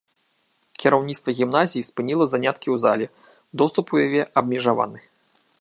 Кіраўніцтва гімназіі спыніла заняткі ў зале, доступ у яе абмежаваны.